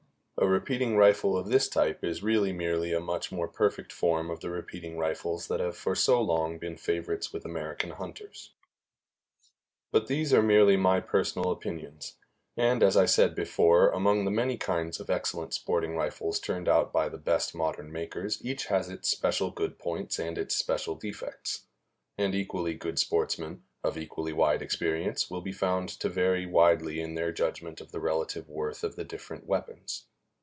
A repeating rifle of this type is really merely a much more perfect form of the repeating rifles that have for so long been favorites with American hunters. But these are merely my personal opinions; and, as I said before, among the many kinds of excellent sporting rifles turned out by the best modern makers each has its special good points and its special defects; and equally good sportsmen, of equally wide experience, will be found to vary widely in their judgment of the relative worth of the different weapons.